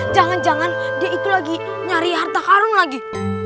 jangan jangan dia itu lagi nyari harta karun lagi